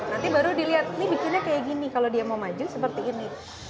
nanti baru dilihat ini bikinnya kayak gini kalau dia mau maju seperti ini